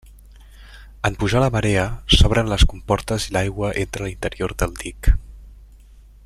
En pujar la marea, s'obren les comportes i l'aigua entra a l'interior del dic.